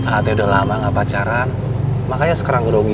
ada dalamnya pacaran makanya sekarang rogi